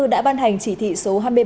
đã ban hành chỉ thị số hai mươi ba